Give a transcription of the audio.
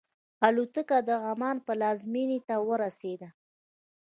الوتکه د عمان پلازمینې ته ورسېده.